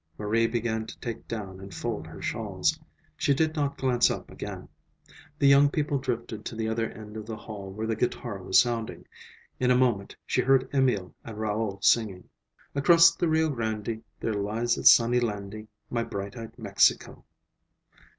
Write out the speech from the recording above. Marie began to take down and fold her shawls. She did not glance up again. The young people drifted to the other end of the hall where the guitar was sounding. In a moment she heard Emil and Raoul singing:— "Across the Rio Grand e There lies a sunny land e, My bright eyed Mexico!"